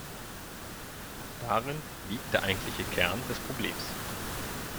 Darin liegt der eigentliche Kern des Problems.